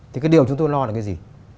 thì cái điều chúng tôi lo là cái gì